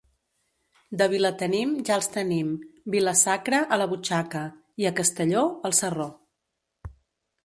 De Vilatenim, ja els tenim; Vila-sacra, a la butxaca, i a Castelló, al sarró.